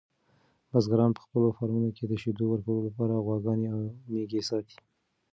بزګران په خپلو فارمونو کې د شیدو ورکولو لپاره غواګانې او میږې ساتي.